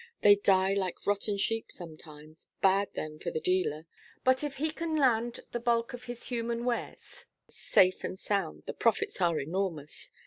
They die like rotten sheep sometimes bad then for the dealer. But if he can land the bulk of his human wares safe and sound the profits are enormous.